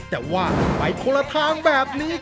แต่ว่าไปคนละทางแบบนี้